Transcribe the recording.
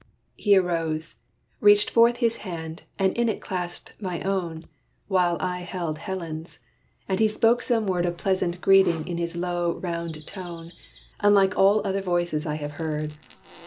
He arose, Reached forth his hand, and in it clasped my own, While I held Helen's; and he spoke some word Of pleasant greeting in his low, round tone, Unlike all other voices I have heard.